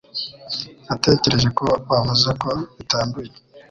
Natekereje ko wavuze ko bitanduye